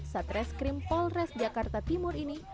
saat reskrim polres jakarta timur ini